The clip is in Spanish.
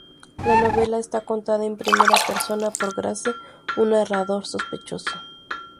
La novela está contada en primera persona por Grace, un narrador sospechoso.